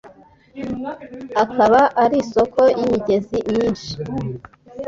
akaba ari isoko y’imigezi myinshi